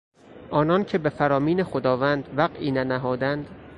آنان که به فرامین خداوند وقعی ننهادند...